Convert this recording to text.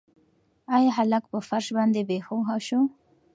ایا هلک په فرش باندې بې هوښه شو؟